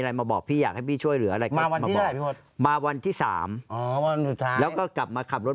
อะไรมาบอกพี่อยากให้พี่ช่วยเหรออะไรมาวันหวิปฯมาวันที่๓แล้วก็กลับมาขับรถ